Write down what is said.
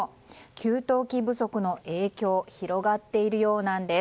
給湯器不足の影響広がっているようなんです。